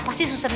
gak ada saudara